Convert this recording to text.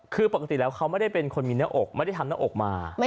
คือปกติแล้วเขาไม่ได้เป็นคนมีหน้าอกไม่ได้ทำหน้าอกมา